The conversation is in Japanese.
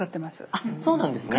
あっそうなんですね。